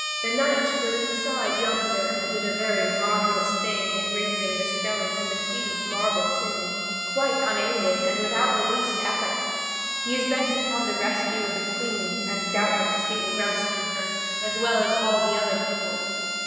The knight was inside yonder, and did a very marvellous thing in raising the stone from the huge marble tomb, quite unaided and without the least effort. He is bent upon the rescue of the Queen, and doubtless he will rescue her, as well as all the other people.